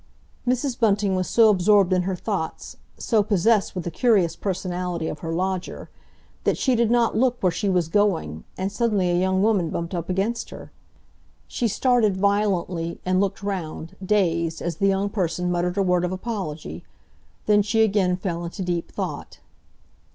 Mrs. Bunting was so absorbed in her thoughts, so possessed with the curious personality of her lodger, that she did not look where she was going, and suddenly a young woman bumped up against her. She started violently and looked round, dazed, as the young person muttered a word of apology;—then she again fell into deep thought.